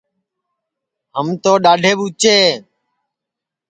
ہم تو ڈؔاڈھے ٻوچے